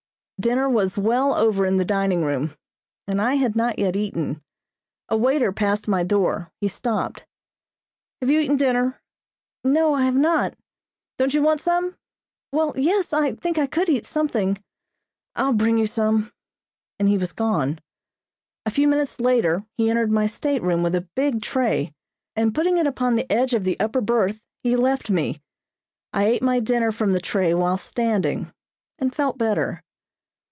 Dinner was well over in the dining room and I had not yet eaten. A waiter passed my door. He stopped. "Have you eaten dinner?" "No, I have not." "Don't you want some?" "Well, yes. I think I could eat something." "I'll bring you some." And he was gone. A few minutes later he entered my stateroom with a big tray, and putting it upon the edge of the upper berth he left me. I ate my dinner from the tray while standing, and felt better.